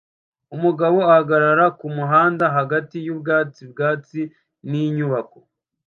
Umugabo ahagarara kumuhanda hagati yubwatsi bwatsi ninyubako